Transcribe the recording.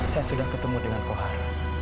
saya sudah ketemu dengan kohar